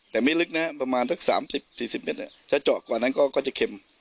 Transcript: แต่ไม่ลึกนะประมาณสัก๓๐๔๐เมตรถ้าเจาะกว่านั้นก็จะเค็ม